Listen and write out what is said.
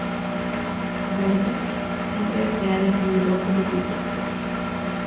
Berger siempre se ha definido como bisexual.